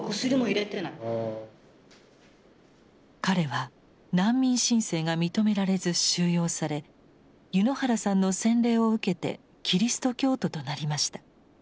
彼は難民申請が認められず収容され柚之原さんの洗礼を受けてキリスト教徒となりました。